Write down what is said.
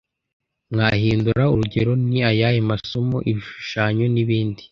mwahindura Urugero ni ayahe masomo ibishushanyo n ibindi